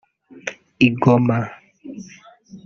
I Goma